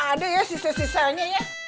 masih ada ya sisa sisanya ya